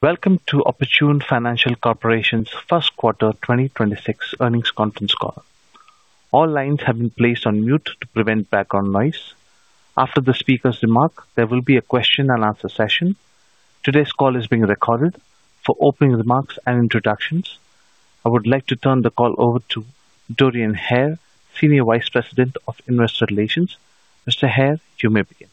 Welcome to Oportun Financial Corporation's First Quarter 2026 Earnings Conference Call. All lines have been placed on mute to prevent background noise. After the speakers' remark, there will be a question and answer session. Today's call is being recorded. For opening remarks and introductions, I would like to turn the call over to Dorian Hare, Senior Vice President of Investor Relations. Mr. Hare, you may begin.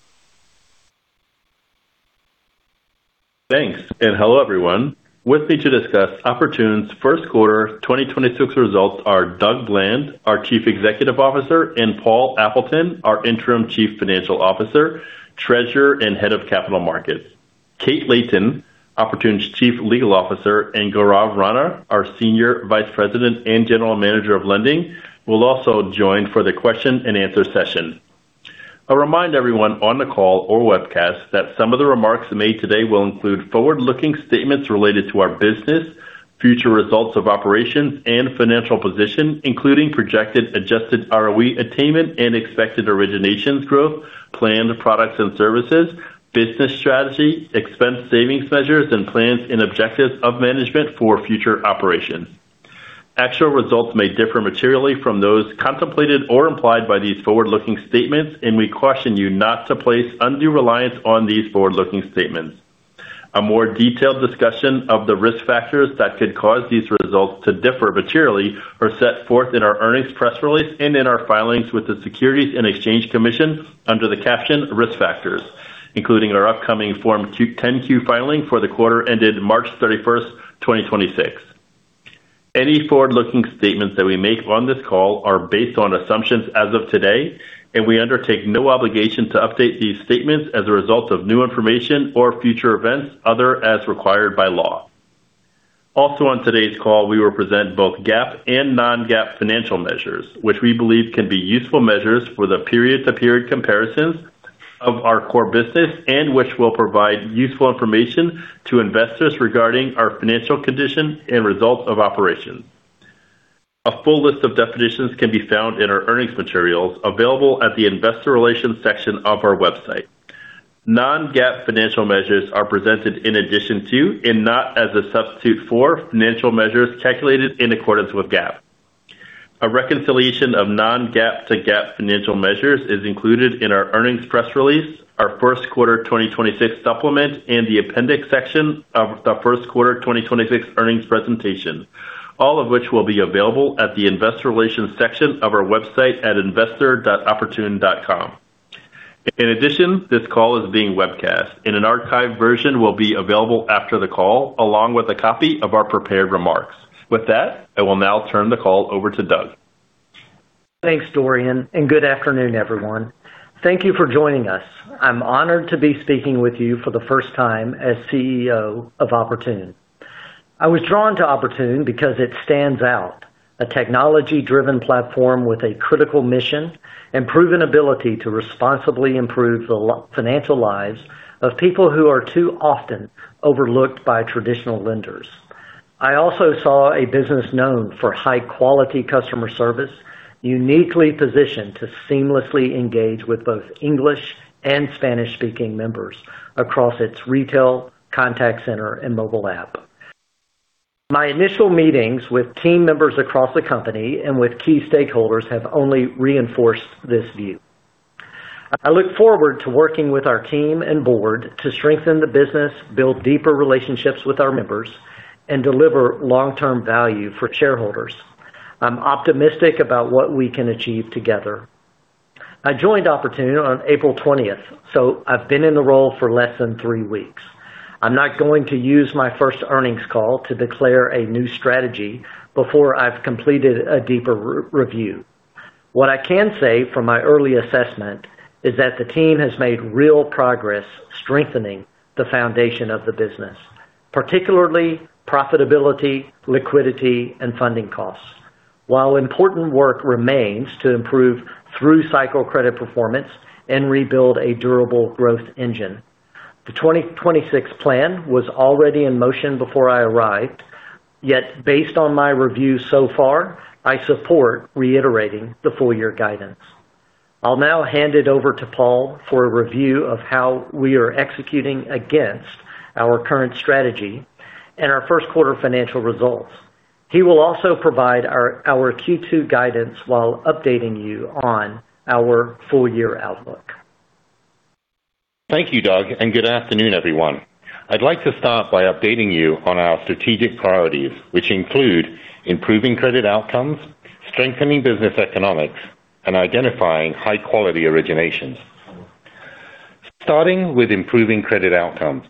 Thanks and hello everyone. With me to discuss Oportun's First Quarter 2026 results are Doug Bland, our Chief Executive Officer, and Paul Appleton, our Interim Chief Financial Officer, Treasurer, and Head of Capital Markets. Kate Layton, Oportun's Chief Legal Officer, and Gaurav Rana, our Senior Vice President and General Manager of Lending will also join for the question and answer session. I remind everyone on the call or webcast that some of the remarks made today will include forward-looking statements related to our business, future results of operations and financial position, including projected adjusted ROE attainment and expected originations growth, planned products and services, business strategy, expense savings measures, and plans and objectives of management for future operations. Actual results may differ materially from those contemplated or implied by these forward-looking statements. We caution you not to place undue reliance on these forward-looking statements. A more detailed discussion of the risk factors that could cause these results to differ materially are set forth in our earnings press release and in our filings with the Securities and Exchange Commission under the caption Risk Factors, including our upcoming Form 10-Q filing for the quarter ended March 31st, 2026. Any forward-looking statements that we make on this call are based on assumptions as of today. We undertake no obligation to update these statements as a result of new information or future events other as required by law. Also on today's call, we will present both GAAP and non-GAAP financial measures, which we believe can be useful measures for the period-to-period comparisons of our core business and which will provide useful information to investors regarding our financial condition and results of operations. A full list of definitions can be found in our earnings materials available at the investor relations section of our website. Non-GAAP financial measures are presented in addition to and not as a substitute for financial measures calculated in accordance with GAAP. A reconciliation of non-GAAP to GAAP financial measures is included in our earnings press release, our first quarter 2026 supplement, and the appendix section of the first quarter 2026 earnings presentation. All of which will be available at the investor relations section of our website at investor.oportun.com. In addition, this call is being webcast and an archived version will be available after the call, along with a copy of our prepared remarks. With that, I will now turn the call over to Doug. Thanks, Dorian. Good afternoon, everyone. Thank you for joining us. I'm honored to be speaking with you for the first time as CEO of Oportun. I was drawn to Oportun because it stands out. A technology-driven platform with a critical mission and proven ability to responsibly improve the financial lives of people who are too often overlooked by traditional lenders. I also saw a business known for high-quality customer service uniquely positioned to seamlessly engage with both English and Spanish-speaking members across its retail contact center and mobile app. My initial meetings with team members across the company and with key stakeholders have only reinforced this view. I look forward to working with our team and board to strengthen the business, build deeper relationships with our members, and deliver long-term value for shareholders. I'm optimistic about what we can achieve together. I joined Oportun on April 20th so I've been in the role for less than three weeks. I'm not going to use my first earnings call to declare a new strategy before I've completed a deeper re-review. What I can say from my early assessment is that the team has made real progress strengthening the foundation of the business, particularly profitability, liquidity, and funding costs. While important work remains to improve through-cycle credit performance and rebuild a durable growth engine, the 2026 plan was already in motion before I arrived. Yet based on my review so far, I support reiterating the full-year guidance. I'll now hand it over to Paul for a review of how we are executing against our current strategy and our first quarter financial results. He will also provide our Q2 guidance while updating you on our full-year outlook. Thank you, Doug, and good afternoon, everyone. I'd like to start by updating you on our strategic priorities, which include improving credit outcomes, strengthening business economics, and identifying high-quality originations. Starting with improving credit outcomes,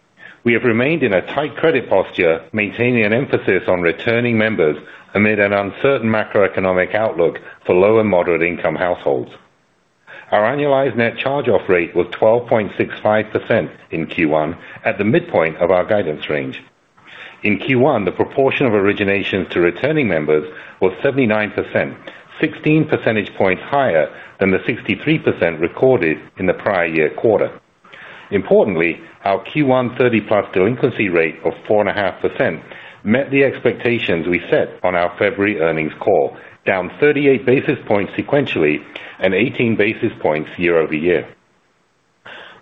we have remained in a tight credit posture, maintaining an emphasis on returning members amid an uncertain macroeconomic outlook for low and moderate-income households. Our annualized net charge-off rate was 12.65% in Q1 at the midpoint of our guidance range. In Q1, the proportion of originations to returning members was 79%, 16 percentage points higher than the 63% recorded in the prior year quarter. Importantly, our Q1 30+ delinquency rate of 4.5% met the expectations we set on our February earnings call, down 38 basis points sequentially and 18 basis points year-over-year.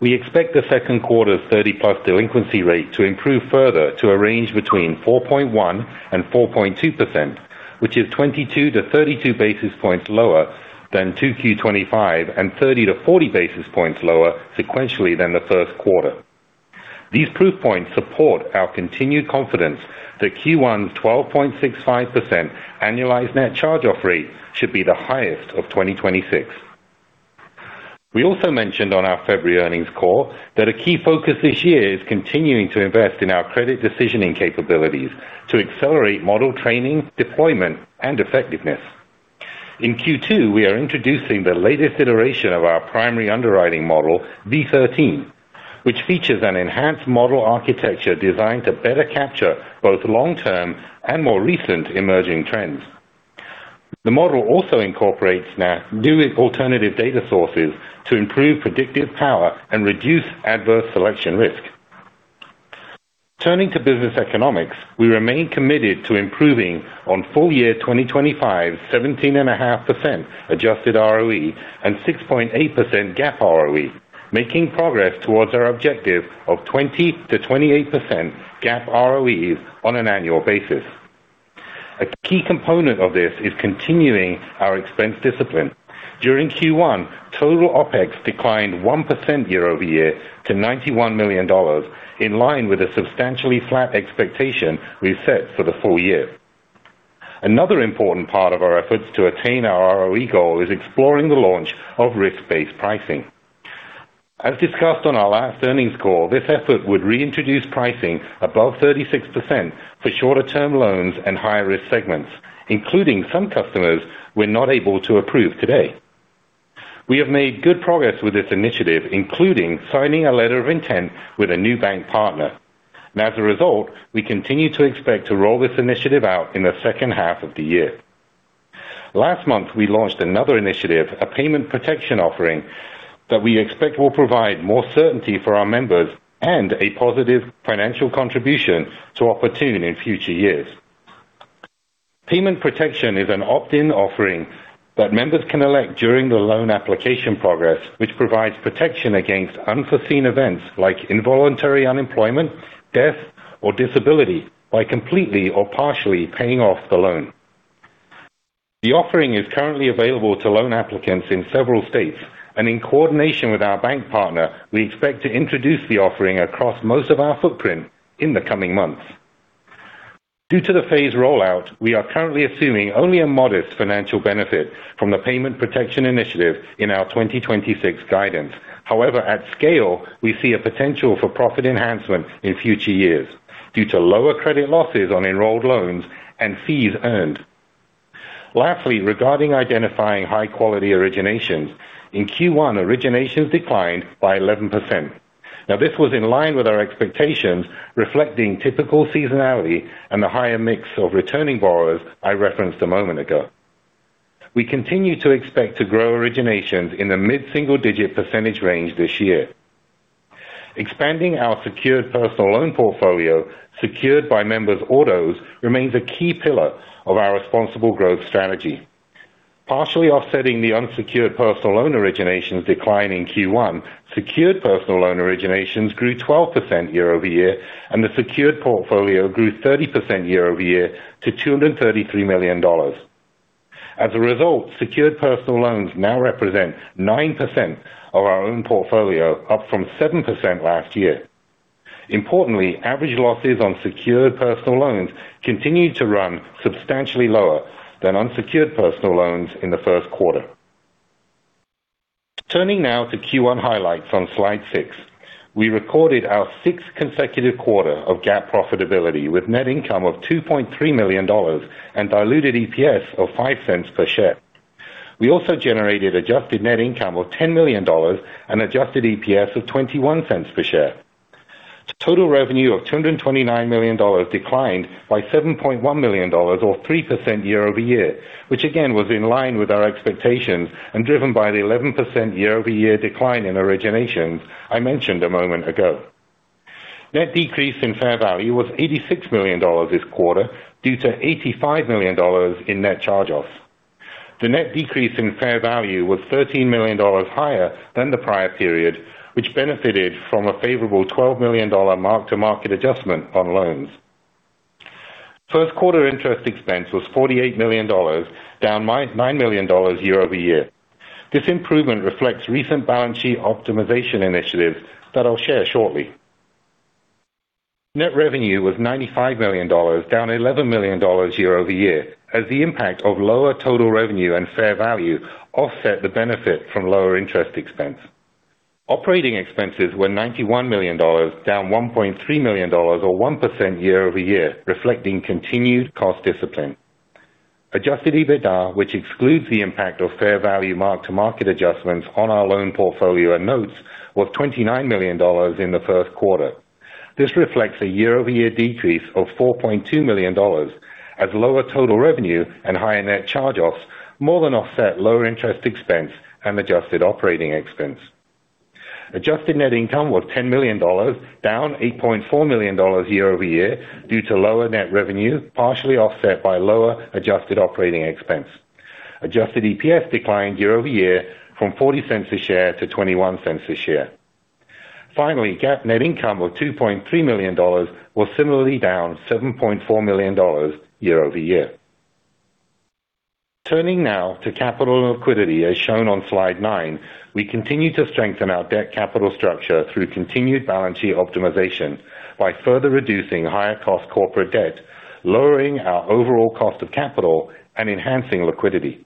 We expect the second quarter 30+ delinquency rate to improve further to a range between 4.1% and 4.2%, which is 22 to 32 basis points lower than 2Q 2025 and 30 to 40 basis points lower sequentially than the first quarter. These proof points support our continued confidence that Q1's 12.65% annualized net charge-off rate should be the highest of 2026. We also mentioned on our February earnings call that a key focus this year is continuing to invest in our credit decisioning capabilities to accelerate model training, deployment, and effectiveness. In Q2, we are introducing the latest iteration of our primary underwriting model, V13, which features an enhanced model architecture designed to better capture both long-term and more recent emerging trends. The model also incorporates now new alternative data sources to improve predictive power and reduce adverse selection risk. Turning to business economics, we remain committed to improving on full-year 2025 17.5% adjusted ROE and 6.8% GAAP ROE, making progress towards our objective of 20% to 28% GAAP ROEs on an annual basis. A key component of this is continuing our expense discipline. During Q1, total OPEX declined 1% year-over-year to $91 million, in line with a substantially flat expectation we set for the full-year. Another important part of our efforts to attain our ROE goal is exploring the launch of risk-based pricing. As discussed on our last earnings call, this effort would reintroduce pricing above 36% for shorter-term loans and higher-risk segments, including some customers we're not able to approve today. We have made good progress with this initiative, including signing a letter of intent with a new bank partner. As a result, we continue to expect to roll this initiative out in the second half of the year. Last month, we launched another initiative, a payment protection offering that we expect will provide more certainty for our members and a positive financial contribution to Oportun in future years. Payment protection is an opt-in offering that members can elect during the loan application process, which provides protection against unforeseen events like involuntary unemployment, death, or disability by completely or partially paying off the loan. The offering is currently available to loan applicants in several states, and in coordination with our bank partner, we expect to introduce the offering across most of our footprint in the coming months. Due to the phased rollout, we are currently assuming only a modest financial benefit from the payment protection initiative in our 2026 guidance. However, at scale, we see a potential for profit enhancements in future years due to lower credit losses on enrolled loans and fees earned. Lastly, regarding identifying high-quality originations, in Q1, originations declined by 11%. This was in line with our expectations, reflecting typical seasonality and the higher mix of returning borrowers I referenced a moment ago. We continue to expect to grow originations in the mid-single-digit percentage range this year. Expanding our secured personal loan portfolio secured by members autos remains a key pillar of our responsible growth strategy. Partially offsetting the unsecured personal loan originations decline in Q1, secured personal loan originations grew 12% year-over-year, and the secured portfolio grew 30% year-over-year to $233 million. As a result, secured personal loans now represent 9% of our loan portfolio, up from 7% last year. Importantly, average losses on secured personal loans continue to run substantially lower than unsecured personal loans in the first quarter. Turning now to Q1 highlights on slide six. We recorded our sixth consecutive quarter of GAAP profitability with net income of $2.3 million and diluted EPS of $0.05 per share. We also generated adjusted net income of $10 million and adjusted EPS of $0.21 per share. Total revenue of $229 million declined by $7.1 million or 3% year-over-year, which again was in line with our expectations and driven by the 11% year-over-year decline in originations I mentioned a moment ago. Net decrease in fair value was $86 million this quarter due to $85 million in net charge-offs. The net decrease in fair value was $13 million higher than the prior period, which benefited from a favorable $12 million mark-to-market adjustment on loans. First quarter interest expense was $48 million, down $9 million year-over-year. This improvement reflects recent balance sheet optimization initiatives that I'll share shortly. Net revenue was $95 million, down $11 million year-over-year, as the impact of lower total revenue and fair value offset the benefit from lower interest expense. Operating expenses were $91 million, down $1.3 million or 1% year-over-year, reflecting continued cost discipline. Adjusted EBITDA, which excludes the impact of fair value mark-to-market adjustments on our loan portfolio and notes was $29 million in the first quarter. This reflects a year-over-year decrease of $4.2 million as lower total revenue and higher net charge-offs more than offset lower interest expense and adjusted operating expense. Adjusted net income was $10 million, down $8.4 million year-over-year due to lower net revenue, partially offset by lower adjusted operating expense. Adjusted EPS declined year-over-year from $0.40 a share to $0.21 a share. Finally, GAAP net income of $2.3 million was similarly down $7.4 million year-over-year. Turning now to capital and liquidity, as shown on slide nine, we continue to strengthen our debt capital structure through continued balance sheet optimization by further reducing higher cost corporate debt, lowering our overall cost of capital and enhancing liquidity.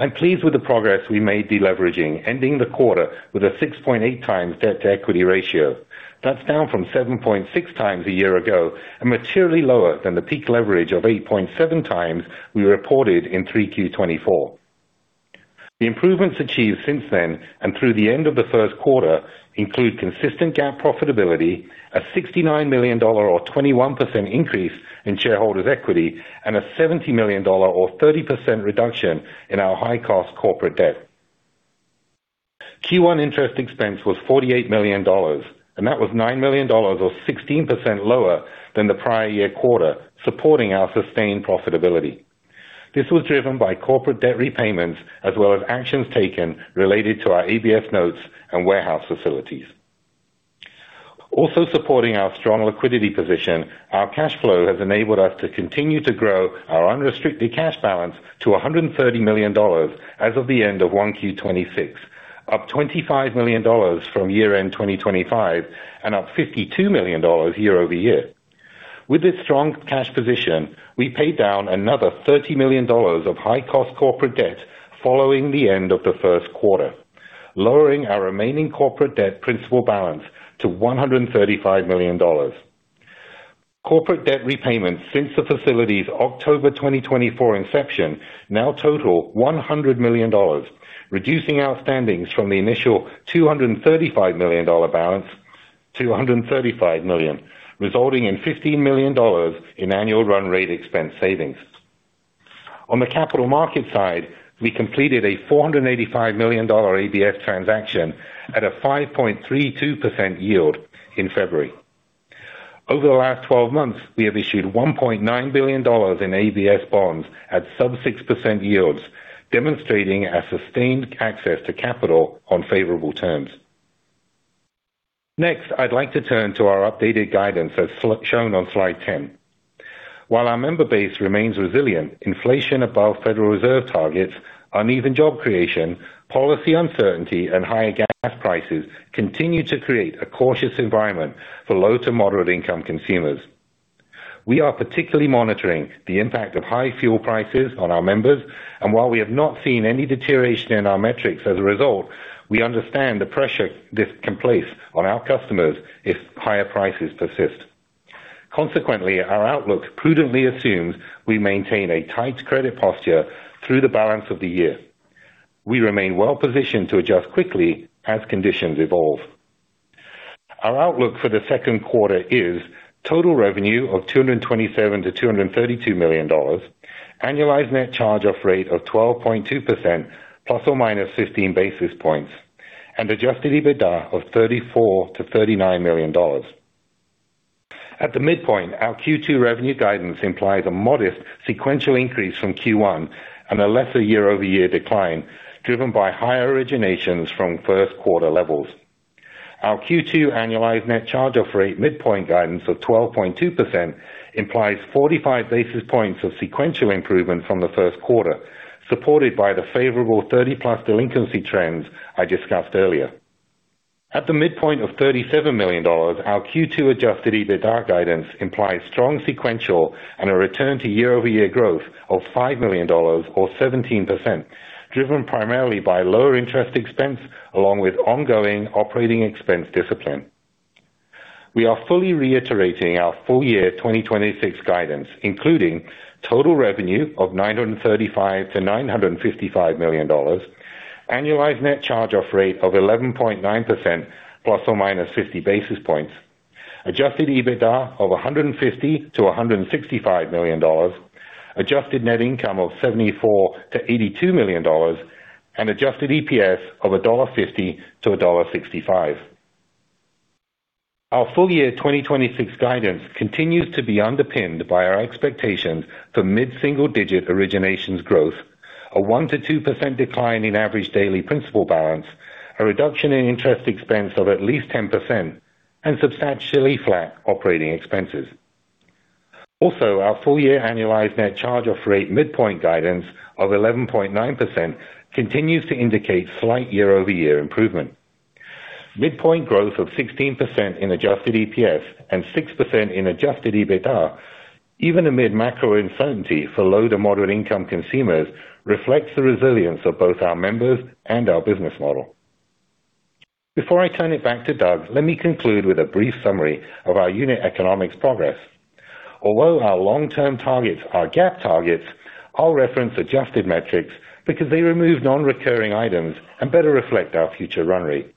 I'm pleased with the progress we made deleveraging, ending the quarter with a 6.8x debt-to-equity ratio. That's down from 7.6x a year ago and materially lower than the peak leverage of 8.7x we reported in 3Q 2024. The improvements achieved since then and through the end of the first quarter include consistent GAAP profitability at $69 million or 21% increase in shareholders equity and a $70 million or 30% reduction in our high cost corporate debt. Q1 interest expense was $48 million and that was $9 million or 16% lower than the prior year quarter supporting our sustained profitability. This was driven by corporate debt repayments as well as actions taken related to our ABS notes and warehouse facilities. Also supporting our strong liquidity position, our cash flow has enabled us to continue to grow our unrestricted cash balance to $130 million as of the end of 1Q 2026, up $25 million from year-end 2025 and up $52 million year-over-year. With this strong cash position, we paid down another $30 million of high cost corporate debt following the end of the first quarter, lowering our remaining corporate debt principal balance to $135 million. Corporate debt repayments since the facility's October 2024 inception now total $100 million, reducing outstanding from the initial $235 million balance to $135 million, resulting in $15 million in annual run rate expense savings. On the capital market side, we completed a $485 million ABS transaction at a 5.32% yield in February. Over the last 12 months, we have issued $1.9 billion in ABS bonds at sub 6% yields, demonstrating a sustained access to capital on favorable terms. Next, I'd like to turn to our updated guidance as shown on slide 10. While our member base remains resilient, inflation above Federal Reserve targets, uneven job creation, policy uncertainty and higher gas prices continue to create a cautious environment for low to moderate income consumers. We are particularly monitoring the impact of high fuel prices on our members, and while we have not seen any deterioration in our metrics as a result, we understand the pressure this can place on our customers if higher prices persist. Consequently, our outlook prudently assumes we maintain a tight credit posture through the balance of the year. We remain well-positioned to adjust quickly as conditions evolve. Our outlook for the second quarter is total revenue of $227 million to $232 million, annualized net charge-off rate of 12.2% ±15 basis points, and adjusted EBITDA of $34 million to $39 million. At the midpoint, our Q2 revenue guidance implies a modest sequential increase from Q1 and a lesser year-over-year decline driven by higher originations from first quarter levels. Our Q2 annualized net charge-off rate midpoint guidance of 12.2% implies 45 basis points of sequential improvement from the first quarter, supported by the favorable 30+ delinquency trends I discussed earlier. At the midpoint of $37 million, our Q2 adjusted EBITDA guidance implies strong sequential and a return to year-over-year growth of $5 million or 17%, driven primarily by lower interest expense along with ongoing operating expense discipline. We are fully reiterating our full-year 2026 guidance, including total revenue of $935 million to $955 million, annualized net charge-off rate of 11.9% ±50 basis points. Adjusted EBITDA of $150 million to $165 million. Adjusted net income of $74 million to $82 million and adjusted EPS of $1.50 to $1.65. Our full-year 2026 guidance continues to be underpinned by our expectations for mid-single-digit originations growth, a 1% to 2% decline in average daily principal balance, a reduction in interest expense of at least 10%, and substantially flat operating expenses. Also, our full-year annualized net charge-off rate midpoint guidance of 11.9% continues to indicate slight year-over-year improvement. Midpoint growth of 16% in adjusted EPS and 6% in adjusted EBITDA, even amid macro uncertainty for low to moderate income consumers, reflects the resilience of both our members and our business model. Before I turn it back to Doug, let me conclude with a brief summary of our unit economics progress. Although our long-term targets are GAAP targets, I'll reference adjusted metrics because they remove non-recurring items and better reflect our future run rate.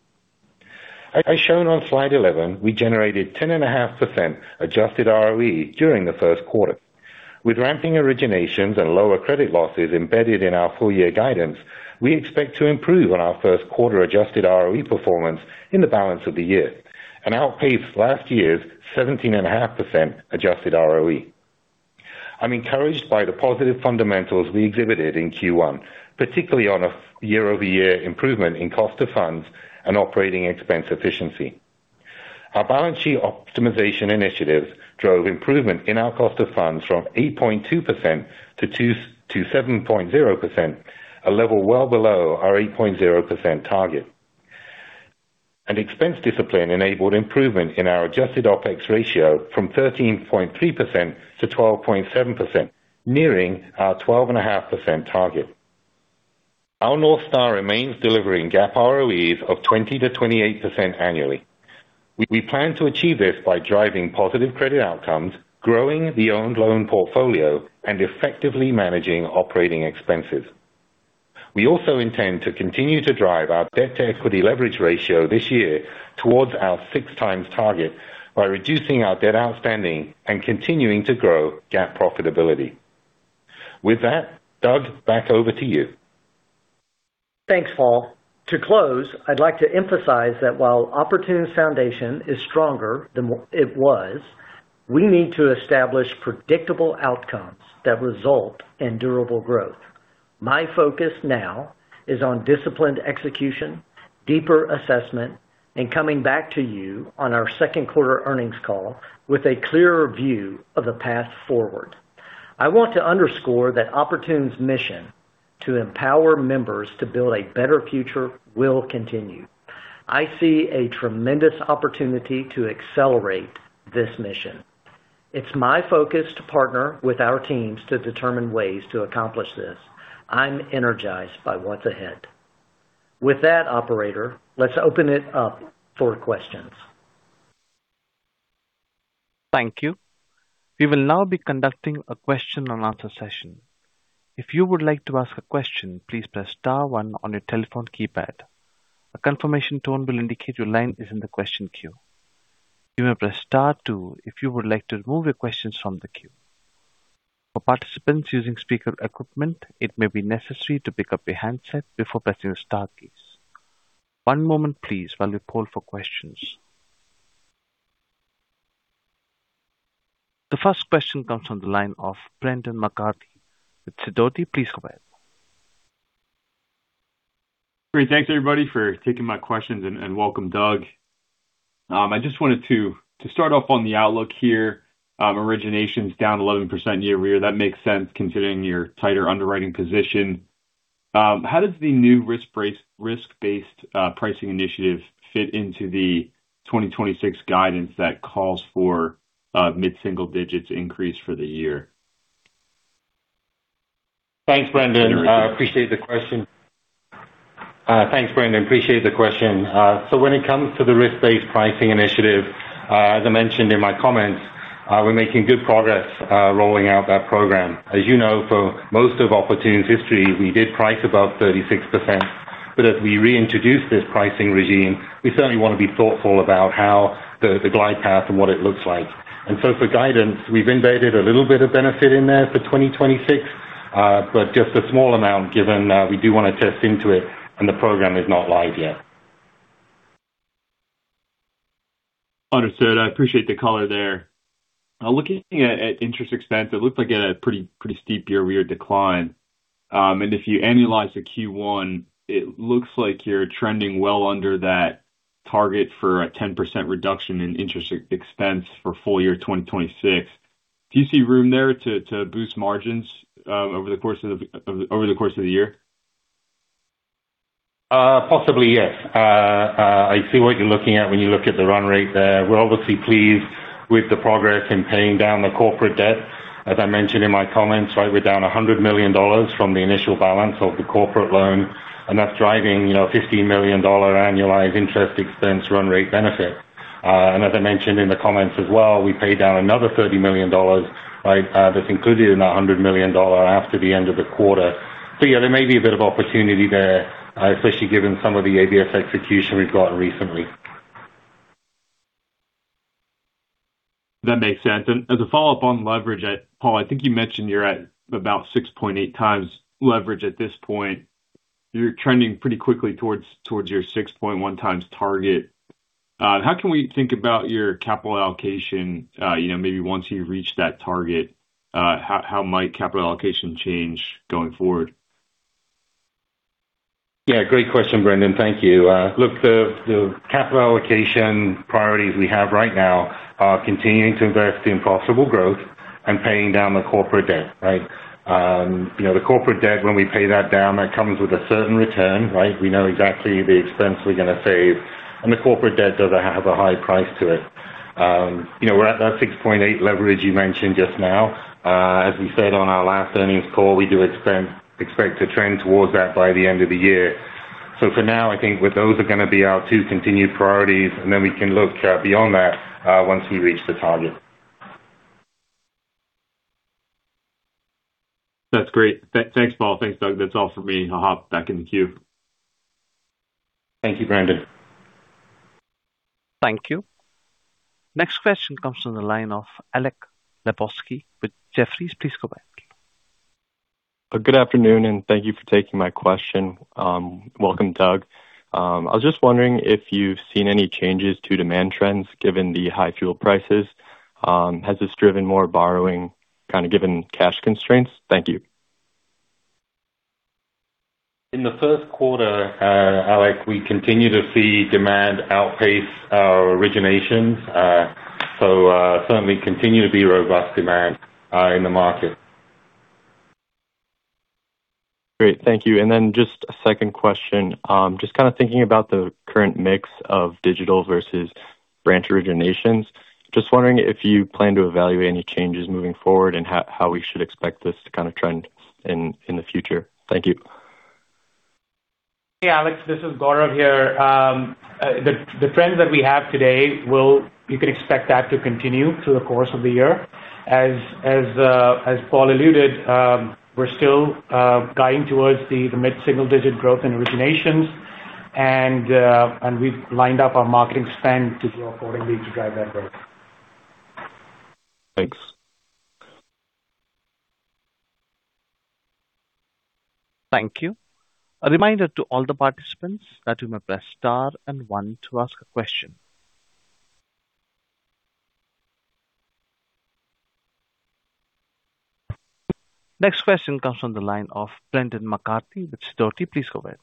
As shown on slide 11, we generated 10.5% adjusted ROE during the first quarter. With ramping originations and lower credit losses embedded in our full-year guidance, we expect to improve on our first quarter adjusted ROE performance in the balance of the year and outpace last year's 17.5% adjusted ROE. I'm encouraged by the positive fundamentals we exhibited in Q1, particularly on a year-over-year improvement in cost of funds and operating expense efficiency. Our balance sheet optimization initiatives drove improvement in our cost of funds from 8.2% to 7.0%, a level well below our 8.0% target. An expense discipline-enabled improvement in our adjusted OPEX ratio from 13.3% to 12.7%, nearing our 12.5% target. Our North Star remains delivering GAAP ROEs of 20% to 28% annually. We plan to achieve this by driving positive credit outcomes, growing the owned loan portfolio, and effectively managing operating expenses. We also intend to continue to drive our debt-to-equity leverage ratio this year towards our 6x target by reducing our debt outstanding and continuing to grow GAAP profitability. With that, Doug, back over to you. Thanks, Paul. To close, I'd like to emphasize that while Oportun's foundation is stronger than it was, we need to establish predictable outcomes that result in durable growth. My focus now is on disciplined execution, deeper assessment, and coming back to you on our second quarter earnings call with a clearer view of the path forward. I want to underscore that Oportun's mission to empower members to build a better future will continue. I see a tremendous opportunity to accelerate this mission. It's my focus to partner with our teams to determine ways to accomplish this. I'm energized by what's ahead. With that, operator, let's open it up for questions. Thank you. We will now be conducting a question and answer session. If you would like to ask a question, please press star one on your telephone keypad. A confirmation tone will indicate your line is in the question queue. You may press star two if you would like to remove your questions from the queue. For participants using speaker equipment, it may be necessary to pick up your handset before pressing the star keys. One moment please while we poll for questions. The first question comes from the line of Brendan McCarthy with Sidoti. Please go ahead. Great. Thanks, everybody, for taking my questions, and welcome, Doug. I just wanted to start off on the outlook here, originations down 11% year-over-year, and that makes sense considering your tighter underwriting position. How does the new risk-based pricing initiative fit into the 2026 guidance that calls for a mid-single digits increase for the year? Thanks, Brendan. I appreciate the question. When it comes to the risk-based pricing initiative, as I mentioned in my comments, we're making good progress rolling out that program. As you know, for most of Oportun's history, we did price above 36%. As we reintroduced this pricing regime, we certainly want to be thoughtful about how the glide path and what it looks like. For guidance, we've embedded a little bit of benefit in there for 2026 but just a small amount given we do want to test into it and the program is not live yet. Understood. I appreciate the color there. Looking at interest expense, it looks like a pretty steep year-over-year decline. If you annualize the Q1, it looks like you're trending well under that target for a 10% reduction in interest expense for full-year 2026. Do you see room there to boost margins over the course of the year? Possibly, yes. I see what you're looking at when you look at the run rate there. We're obviously pleased with the progress in paying down the corporate debt. As I mentioned in my comments, right, we're down $100 million from the initial balance of the corporate loan, and that's driving, you know, $15 million annualized interest expense run rate benefit. As I mentioned in the comments as well, we paid down another $30 million, right? That's included in that $100 million after the end of the quarter. Yeah, there may be a bit of opportunity there, especially given some of the ABS execution we've gotten recently. That makes sense. As a follow-up on leverage, Paul, I think you mentioned you're at about 6.8x leverage at this point. You're trending pretty quickly towards your 6.1x target. How can we think about your capital allocation, you know, maybe once you reach that target, how might capital allocation change going forward? Great question, Brendan. Thank you. Look, the capital allocation priorities we have right now are continuing to invest in possible growth and paying down the corporate debt, right? You know, the corporate debt, when we pay that down, that comes with a certain return, right? We know exactly the expense we're going to save, and the corporate debt does have a high price to it. We're at that 6.8x leverage you mentioned just now. As we said on our last earnings call, we do expect to trend towards that by the end of the year. For now, I think those are going to be our two continued priorities, and then we can look beyond that once we reach the target. That's great. Thanks, Paul. Thanks, Doug. That's all from me. I'll hop back in the queue. Thank you, Brendan. Thank you. Next question comes from the line of Alek Labosky with Jefferies. Please go ahead. Good afternoon, and thank you for taking my question. Welcome, Doug. I was just wondering if you've seen any changes to demand trends given the high fuel prices. Has this driven more borrowing kind of given cash constraints? Thank you. In the first quarter, Alek, we continue to see demand outpace our originations so certainly continue to be robust demand in the market. Great. Thank you. Then just a second question, just kind of thinking about the current mix of digital versus branch originations, just wondering if you plan to evaluate any changes moving forward, and how we should expect this to kind of trend in the future. Thank you. Hey, Alek. This is Gaurav here. The trends that we have today you can expect that to continue through the course of the year. As Paul alluded, we're still guiding towards the mid-single digit growth in originations and we've lined up our marketing spend to grow accordingly to drive that growth. Thanks. Thank you. A reminder to all the participants that you may press star and one to ask a question. Next question comes from the line of Brendan McCarthy with Sidoti. Please go ahead.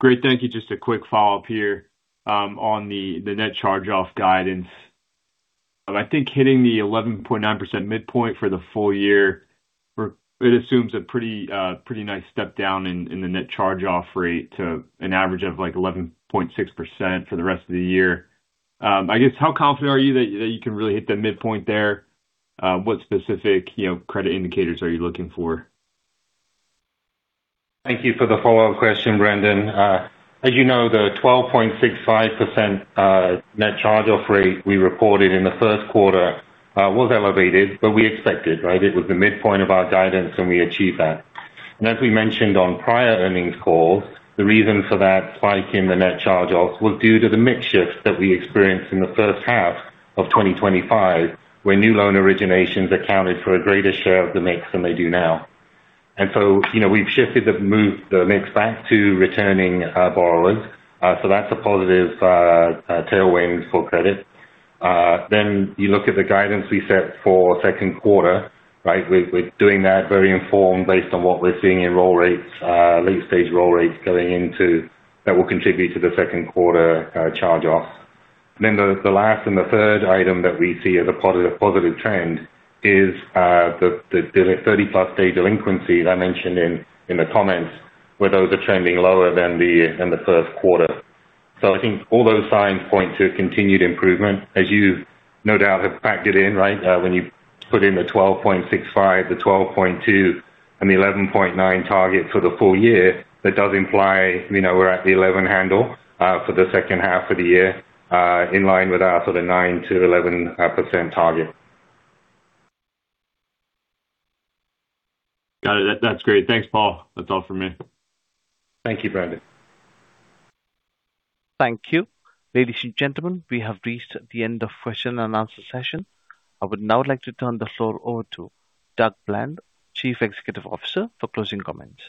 Great. Thank you. Just a quick follow-up here on the net charge-off guidance. I think hitting the 11.9% midpoint for the full-year, it assumes a pretty nice step down in the net charge-off rate to an average of like 11.6% for the rest of the year. How confident are you that you can really hit that midpoint there? What specific credit indicators are you looking for? Thank you for the follow-up question, Brendan. As you know, the 12.65% net charge-off rate we reported in the first quarter was elevated, but we expected, right? It was the midpoint of our guidance, we achieved that. As we mentioned on prior earnings calls, the reason for that spike in the net charge-offs was due to the mix shift that we experienced in the first half of 2025, where new loan originations accounted for a greater share of the mix than they do now. We've shifted the mix back to returning borrowers. That's a positive tailwind for credit. You look at the guidance we set for second quarter, right? We're doing that very informed based on what we're seeing in roll rates, late-stage roll rates going into that will contribute to the second quarter charge-offs. The last and the third item that we see as a positive trend is the 30+ day delinquencies I mentioned in the comments where those are trending lower than the first quarter. I think all those signs point to a continued improvement as you no doubt have backed it in, right? When you put in the 12.65, the 12.2, and the 11.9 target for the full-year, that does imply, you know, we're at the 11 handle for the second half of the year, in line with our sort of 9% to 11% target. Got it. That's great. Thanks, Paul. That's all for me. Thank you, Brendan. Thank you. Ladies and gentlemen, we have reached the end of question and answer session. I would now like to turn the floor over to Doug Bland, Chief Executive Officer, for closing comments.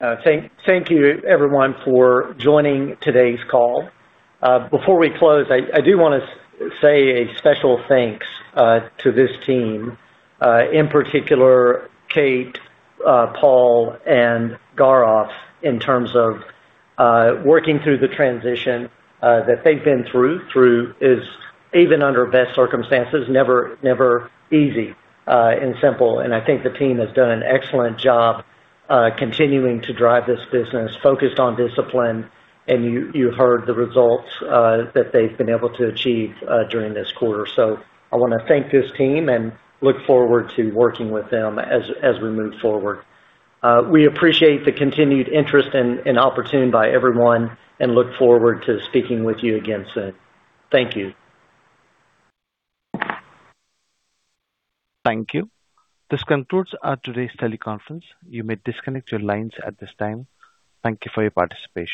Thank you everyone for joining today's call. Before we close, I do want to say a special thanks to this team, in particular Kate, Paul, and Gaurav in terms of working through the transition that they've been through is even under best circumstances never easy and simple. I think the team has done an excellent job continuing to drive this business focused on discipline and you heard the results that they've been able to achieve during this quarter. I want to thank this team and look forward to working with them as we move forward. We appreciate the continued interest in Oportun by everyone and look forward to speaking with you again soon. Thank you. Thank you. This concludes our today's teleconference. You may disconnect your lines at this time. Thank you for your participation.